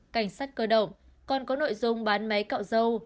cảnh sát cơ động còn có nội dung bán máy cọ dâu